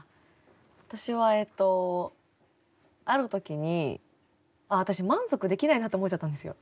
私はえっとある時に「私満足できないな」って思っちゃったんですよ